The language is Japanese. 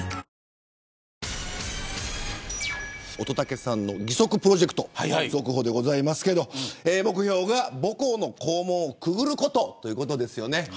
乙武さんの義足プロジェクト続報でございますけど目標が母校の校門をくぐることということですよね。